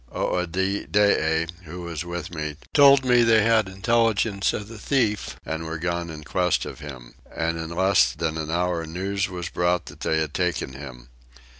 Oedidee, who was with me, told me that they had intelligence of the thief, and were gone in quest of him: and in less than an hour news was brought that they had taken him.